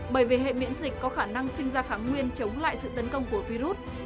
bởi vì hệ miễn dịch có khả năng sinh ra kháng nguyên chống lại sự tấn công của virus